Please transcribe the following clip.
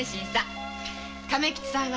亀吉さん